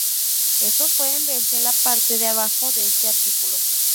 Estos pueden verse en la parte de abajo de este artículo.